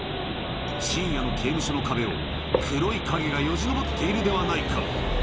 深夜の刑務所の壁を黒い影がよじ登っているではないか。